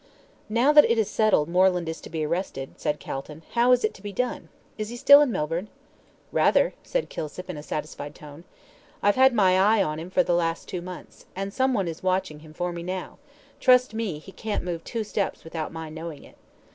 "Now that it is settled Moreland is to be arrested," said Calton, "how is it to be done? Is he still in Melbourne?" "Rather," said Kilsip in a satisfied tone; "I've had my eye on him for the last two months, and someone is watching him for me now trust me, he can't move two steps without my knowing it."